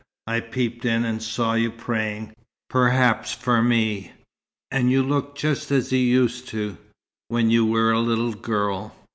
"I peeped in and saw you praying perhaps for me and you looked just as you used, when you were a little girl.